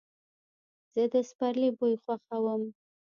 زه د سپرلي بوی خوښوم.